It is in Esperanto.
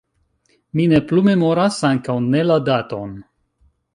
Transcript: Mi ne plu memoras, ankaŭ ne la daton.